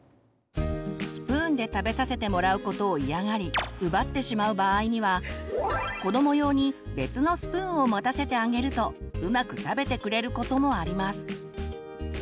スプーンで食べさせてもらうことを嫌がり奪ってしまう場合には子ども用に別のスプーンを持たせてあげるとうまく食べてくれることもあります。